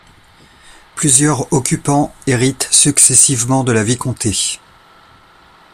Plusieurs occupants héritent successivement de la vicomté.